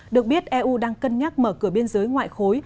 được biết eu đang cân nhắc mở cửa biên giới ngoại khối